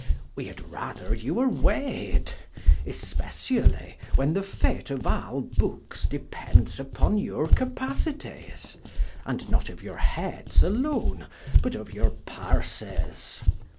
We had rather you were weighd. Especially, when the fate of all Bookes depends vpon your capacities: and not of your heads alone, but of your purses.